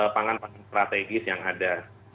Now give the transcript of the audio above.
pangan pangan strategis yang ada